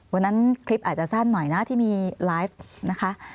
วันนั้นคลิปอาจจะสั้นหน่อยนะที่มีไลฟ์นะคะ